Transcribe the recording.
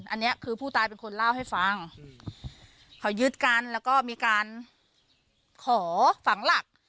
อันนี้คือผู้ตายเป็นคนเล่าให้ฟังเขายึดกันแล้วก็มีการขอฝังหลัก